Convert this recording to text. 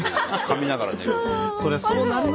かみながら寝る。